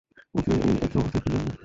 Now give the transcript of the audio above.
ওকে এই একই অবস্থায় ফিরিয়ে আনবেন।